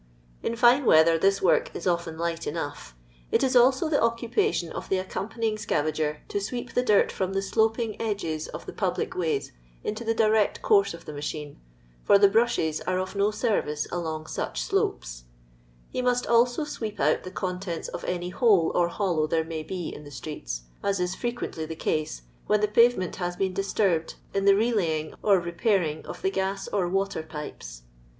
In fine weather this work is often light enough. It is also the occu{>ation of the accompanying scuvager to swet^p the dirt from the sloping edges of the public ways into the direct course of the machine, fur the brushes are of no service along such slopes ; he must also sweep out the contents of any hole or hollow there may be in the streets, as is frequently the case when the pavement has been disturbed in the L*" IMTDON LABOUR AND THS LONDOJH POOA 289 nkying or repairing of the gai or water pipei.